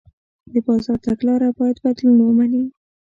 د بازار تګلاره باید بدلون ومني.